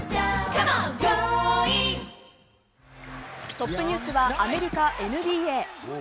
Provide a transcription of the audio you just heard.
トップニュースはアメリカ、ＮＢＡ。